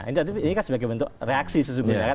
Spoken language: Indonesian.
ini sebagai bentuk reaksi sesungguhnya